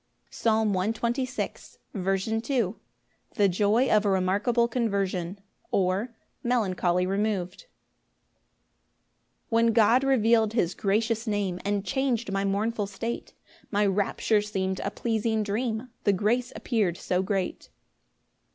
Psalm 126:2. C. M. The joy of a remarkable conversion; or, Melancholy removed. 1 When God reveal'd his gracious Name, And chang'd my mournful state, My rapture seem'd a pleasing dream, The grace appear'd so great.